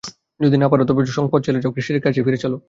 যদি না পার, তবে বরং সম্পদ ছেড়ে দাও, খ্রীষ্টের কাছেই ফিরে চল।